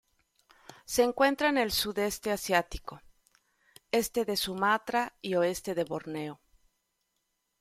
Se encuentra en el Sudeste asiático: este de Sumatra y oeste de Borneo.